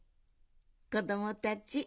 こどもたち